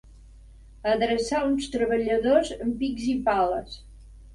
Adreçar uns treballadors amb pics i pales.